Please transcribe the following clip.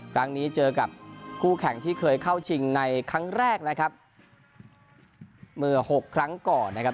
เจอกับคู่แข่งที่เคยเข้าชิงในครั้งแรกนะครับเมื่อหกครั้งก่อนนะครับ